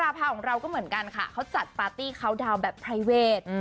พาของเราก็เหมือนกันค่ะเขาจัดปาร์ตี้เขาดาวน์แบบไพรเวท